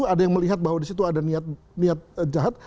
ada yang melihat bahwa di situ ada niat jahat